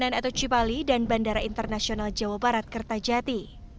jalan atau cipali dan bandara internasional jawa barat kertajati